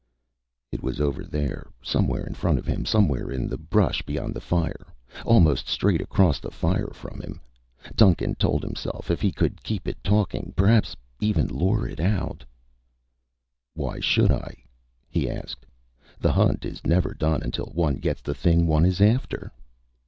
It was over there, somewhere in front of him, somewhere in the brush beyond the fire, almost straight across the fire from him, Duncan told himself. If he could keep it talking, perhaps even lure it out "Why should I?" he asked. "The hunt is never done until one gets the thing one is after."